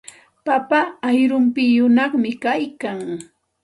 Papa ayrumpiyuqñami kaykan.